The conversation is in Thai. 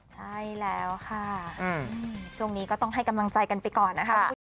ใช่แล้วค่ะช่วงนี้ก็ต้องให้กำลังใจกันไปก่อนนะคะคุณผู้ชม